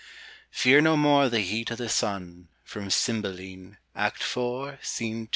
FEAR NO MORE THE HEAT O' THE SUN. FROM "CYMBELINE," ACT IV, SC. 2.